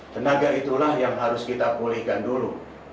tenaga itulah yang harus kita pulihkan dulu